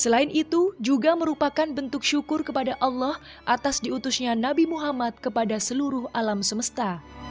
selain itu juga merupakan bentuk syukur kepada allah atas diutusnya nabi muhammad kepada seluruh alam semesta